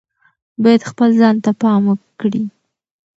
باید خپل ځان ته پام وکړي.